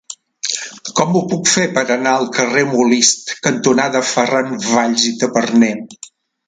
Com ho puc fer per anar al carrer Molist cantonada Ferran Valls i Taberner?